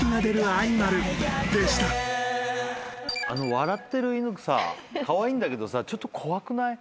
笑ってる犬さカワイイんだけどちょっと怖くない？